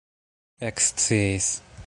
eksciis